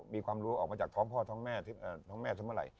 มีความรู้ออกมาจากท้องพ่อท้องแม่ท้องแม่ซะเมื่อไหร